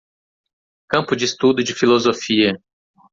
Campo de estudo de filosofia.